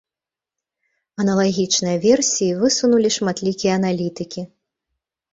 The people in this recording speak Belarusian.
Аналагічныя версіі высунулі шматлікія аналітыкі.